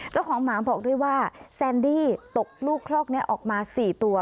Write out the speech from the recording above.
เจ้าของหมาบอกด้วยว่าแซนดี้ตกลูกคลอกนี้ออกมา๔ตัว